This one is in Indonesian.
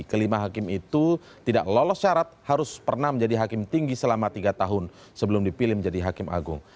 kelima hakim itu tidak lolos syarat harus pernah menjadi hakim tinggi selama tiga tahun sebelum dipilih menjadi hakim agung